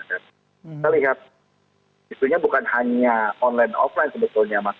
kita lihat isunya bukan hanya online offline sebetulnya mas